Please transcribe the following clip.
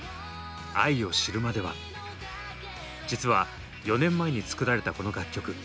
実は４年前に作られたこの楽曲。